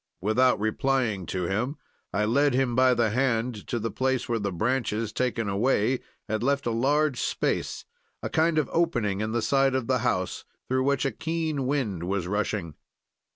"Without replying to him, I led him by the hand to the place where the branches taken away had left a large space, a kind of opening in the side of the house, through which a keen wind was rushing.